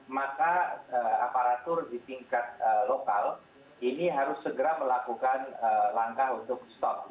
maka aparatur di tingkat lokal ini harus segera melakukan langkah untuk stop